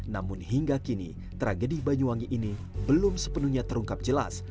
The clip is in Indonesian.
namun hingga kini tragedi banyuwangi ini belum sepenuhnya terungkap jelas